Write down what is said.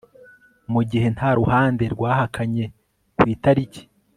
mu gihe nta ruhande rwahakanye ku itariki